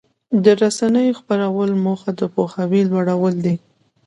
د رسنیو د خپرونو موخه د پوهاوي لوړول دي.